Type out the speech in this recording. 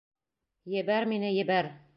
Ебәр мине, ебәр!